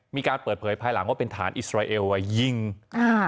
มีการเปิดเผยภายหลังว่าเป็นฐานอิสราเอลอ่ะยิงอ่า